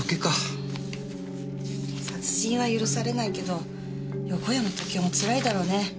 殺人は許されないけど横山時雄もつらいだろうね。